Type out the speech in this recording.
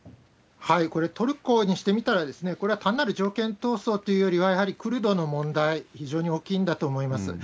これ、トルコにしてみたら、これは単なる条件闘争というよりは、やはりクルドの問題、非常に大きいんだと思います。